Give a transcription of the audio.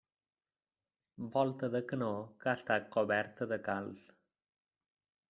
Volta de canó que ha estat coberta de calç.